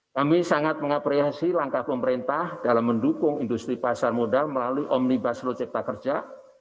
kami sangat mengaprehensi langkah pemerintah dalam mendukung industri pasar modal melalui omnibus lojipak kerja